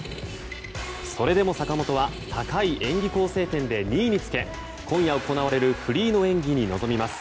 それでも坂本は高い演技構成点で２位につけ今夜行われるフリーの演技に臨みます。